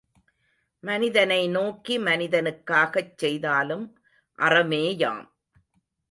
மனிதனை நோக்கி மனிதனுக்காகச் செய்தாலும் அறமேயாம்!